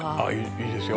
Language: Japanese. いいですよ。